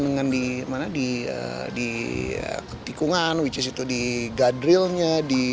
dengan di mana di ketikungan which is itu di guide railnya